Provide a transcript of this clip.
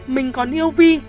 mình còn yêu vy